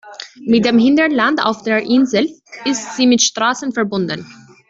Mit dem Hinterland auf der Insel ist sie mit Straßen verbunden.